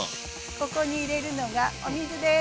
ここに入れるのがお水です。